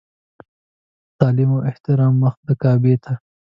په تعلیم او احترام مخ د کعبې ته.